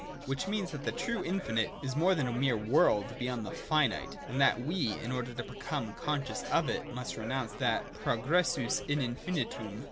19^ Which means, that the true infinite is more than a mere world beyond the finite, and that we, in order to become conscious of it, must renounce that progressus in infinitum.